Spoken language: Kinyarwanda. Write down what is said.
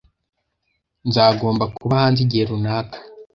Nzagomba kuba hanze igihe runaka.